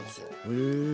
へえ。